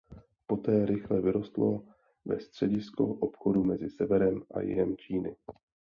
Poté rychle vyrostlo ve středisko obchodu mezi severem a jihem Číny.